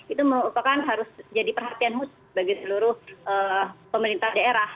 itu merupakan harus jadi perhatian khusus bagi seluruh pemerintah daerah